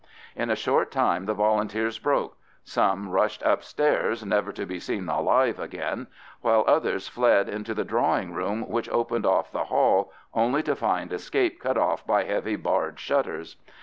In a short time the Volunteers broke; some rushed upstairs never to be seen alive again, while others fled into the drawing room which opened off the hall, only to find escape cut off by heavy barred shutters.